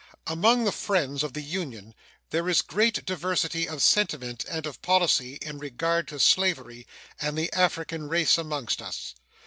Among the friends of the Union there is great diversity of sentiment and of policy in regard to slavery and the African race amongst us.